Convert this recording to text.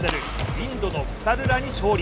インドのプサルラに勝利。